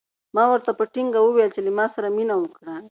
ما ورته په ټینګه وویل چې له ما سره مینه وکړه.